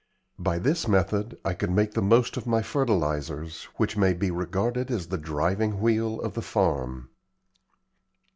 By this method I could make the most of my fertilizers, which may be regarded as the driving wheel of the farm.